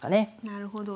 なるほど。